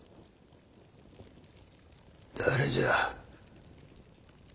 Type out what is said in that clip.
誰じゃ？